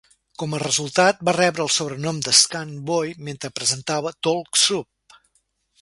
Com a resultat, va rebre el sobrenom de "Skunk Boy" mentre presentava "Talk Soup".